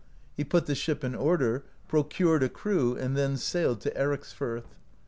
He put the ship in order, procured a crew, and then sailed to Ericsfirth.